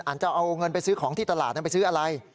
จะเอาเงินไปซื้อของที่ตลาดนั้นไปซื้ออะไร